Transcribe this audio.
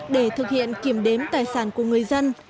để thực hiện kiểm đếm tài sản của người dân